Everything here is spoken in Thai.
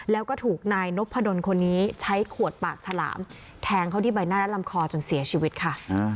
แล้วก็ถูกนายนพดลคนนี้ใช้ขวดปากฉลามแทงเขาที่ใบหน้าและลำคอจนเสียชีวิตค่ะ